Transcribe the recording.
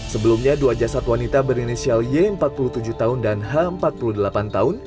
sebelumnya dua jasad wanita berinisial y empat puluh tujuh tahun dan h empat puluh delapan tahun